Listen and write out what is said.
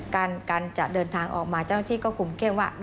การจะเดินทางออกมาเจ้าหน้าที่ก็คุมเข้มว่า